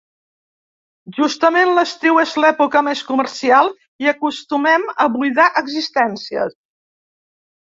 Justament l'estiu és l'època més comercial i acostumem a buidar existències.